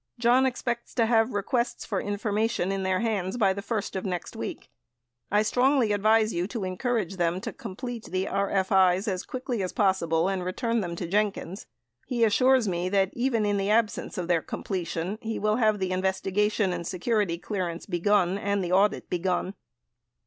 John expects to have Requests for Information in their hands by the first of next week. I strongly advise you to en courage them to complete the RFIs as quickly as possible and return them to Jenkins. He assures me that even in the absence of their completion, he will have the investigation and se curity clearance begun and the audit begun.